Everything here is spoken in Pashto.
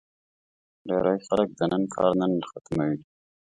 ډېری خلک د نن کار نن ختموي.